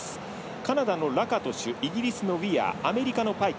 カナダのラカトシュイギリスのウィアーアメリカのパイク。